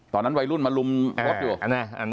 ตอนนั้นวัยรุ่นมาลุมรถอยู่